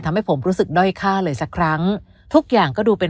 ทำให้ผมรู้สึกด้อยค่าเลยสักครั้งทุกอย่างก็ดูเป็น